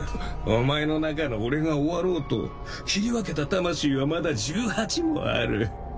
お前の中の俺が終わろうと切り分けた魂はまだ１８もある。